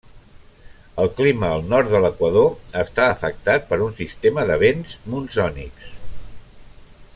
El clima al nord de l'equador està afectat per un sistema de vents monsònics.